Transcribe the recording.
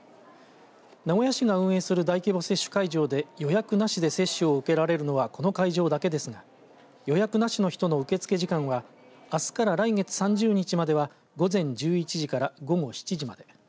名古屋市が運営する大規模接種会場で予約なしで接種を受けられるのはこの会場だけですが予約なしの人の受け付け時間はあすから来月３０日までは午前１１時から午後７時まで。